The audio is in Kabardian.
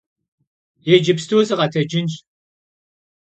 Yicıpstu sıkhetecınş.